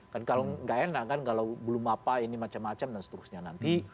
kan kalau nggak enak kan kalau belum apa ini macam macam dan seterusnya nanti